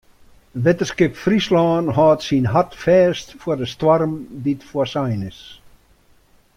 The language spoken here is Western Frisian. Wetterskip Fryslân hâldt syn hart fêst foar de stoarm dy't foarsein is.